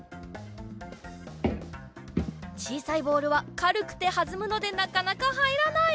ちいさいボールはかるくてはずむのでなかなかはいらない！